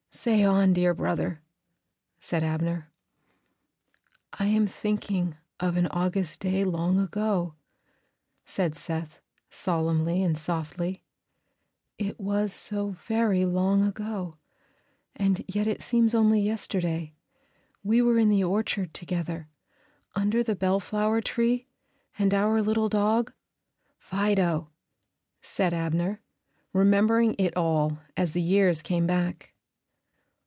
"Say on, dear brother," said Abner. "I am thinking of an August day long ago," said Seth, solemnly and softly. "It was so very long ago, and yet it seems only yesterday. We were in the orchard together, under the bellflower tree, and our little dog " "Fido," said Abner, remembering it all, as the years came back.